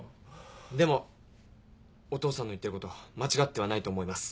でもお父さんの言ってること間違ってはないと思います。